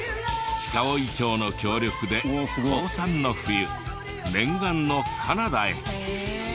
鹿追町の協力で高３の冬念願のカナダへ。